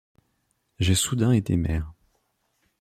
J’ai soudain été mère.